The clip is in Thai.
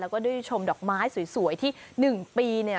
แล้วก็ด้วยชมดอกไม้สวยที่๑ปีเนี่ย